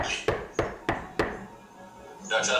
د صادراتو کچه یې ورځ تر بلې لوړېږي.